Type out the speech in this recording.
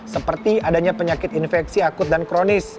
seperti adanya penyakit infeksi akut dan kronis